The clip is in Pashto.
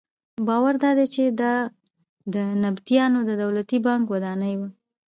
باور دادی چې دا د نبطیانو د دولتي بانک ودانۍ وه.